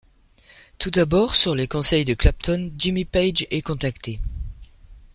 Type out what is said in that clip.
Tout d'abord, sur les conseils de Clapton, Jimmy Page est contacté.